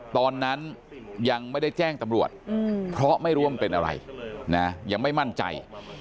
ตอนนั้นยังไม่ได้แจ้งตำรวจเพราะไม่รู้ว่ามันเป็นอะไรนะยังไม่มั่นใจ